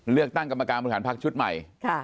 เลือกตั้งกรรมการบริหารพักชุดใหม่